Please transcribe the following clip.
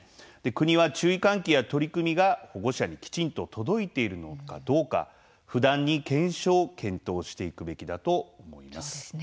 国は注意喚起や取り組みが保護者にきちんと届いているのかどうか不断に検証・検討していくべきだと思います。